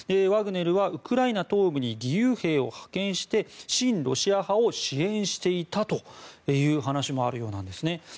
ワグネルはウクライナ東部に義勇兵を派遣して親ロシア派を支援していたという話もあるようなんですね。